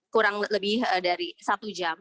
kurang lebih dari satu jam